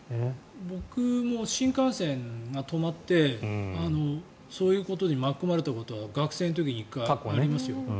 僕も新幹線が止まってそういうことに巻き込まれたことは学生の時に１回、ありますよ。